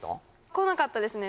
来なかったですね